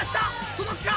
届くか？